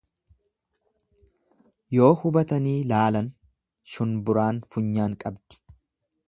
Yoo hubatanii laalan shunburaan funyaan qabdi.